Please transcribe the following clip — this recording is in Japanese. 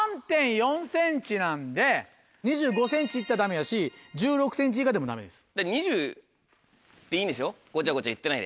３．４ｃｍなんで２５ｃｍ行ったらダメやし１６ｃｍ以下でもダメです。